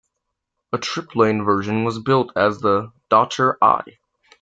A triplane version was built as the Dr.I.